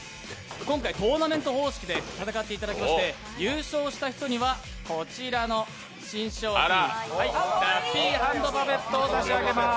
今回はトーナメント方式で戦っていただきまして、優勝した人にはこちらの新商品、ラッピーハンドパペットを差し上げます！